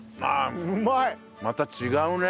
また違うね。